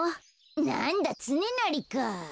なんだつねなりか。